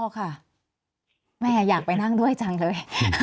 ค่ะแม่อยากไปนั่งด้วยจังเลย